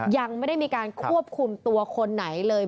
ยังไม่ได้มีการควบคุมตัวคนไหนเลย